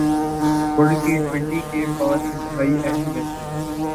world T twenty کے پانچ انتہائی اہم میچز